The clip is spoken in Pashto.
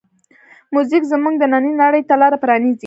موزیک زمونږ دنننۍ نړۍ ته لاره پرانیزي.